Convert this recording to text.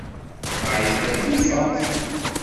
Marie tella twufeq.